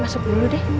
masuk dulu deh